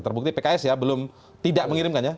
terbukti pks ya belum tidak mengirimkannya